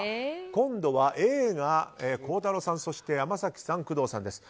今度はＡが孝太郎さんそして、山崎さん、工藤さんです。